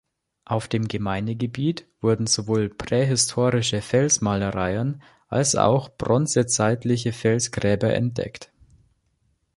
Auf dem Gemeindegebiet wurden sowohl prähistorische Felsmalereien als auch bronzezeitliche Felsgräber entdeckt.